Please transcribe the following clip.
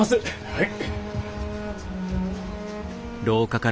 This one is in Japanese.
はい。